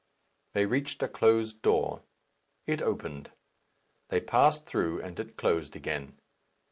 They reached a closed door; it opened. They passed through, and it closed again.